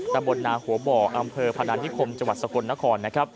ตำบลนาหัวบ่ออำเภอพนานิคมจังหวัดสกลนคร